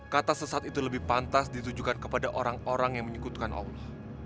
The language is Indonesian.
kata sesat itu lebih pantas ditujukan kepada orang orang yang menyukutkan allah